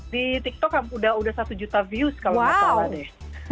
di tiktok udah satu juta views kalau nggak salah deh